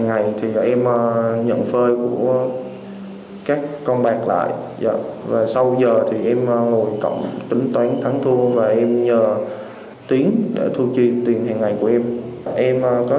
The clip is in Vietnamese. hàng ngày thì em nhận phơi của các con bạn lại và sau giờ thì em ngồi cộng tính toán thắng thu và em nhờ tuyến để thu chi tiền hàng ngày của em